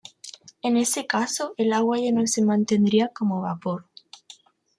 En ese caso el agua ya no se mantendría como vapor.